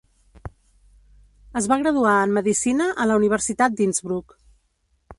Es va graduar en medicina a la Universitat d'Innsbruck.